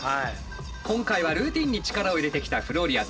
今回はルーティーンに力を入れてきたフローリアーズ。